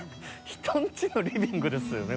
人んちのリビングですよね？